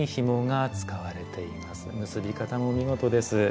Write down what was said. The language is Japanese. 結び方も見事です。